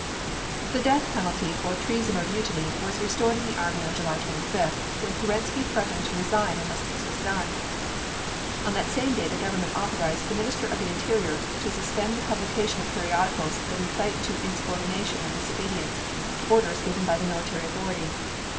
The death penalty for treason or mutiny was restored in the army on July 25th, when Kerensky threatened to resign unless this was done. On that same date the government authorized the Minister of the Interior to suspend the publication of periodicals that incite to insubordination or disobedience to orders given by the military authorities.